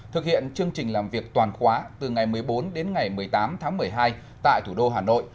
thực hiện chương trình làm việc toàn khóa từ ngày một mươi bốn đến ngày một mươi tám tháng một mươi hai tại thủ đô hà nội